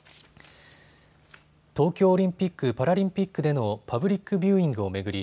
東京オリンピック・パラリンピックでのパブリックビューイングを巡り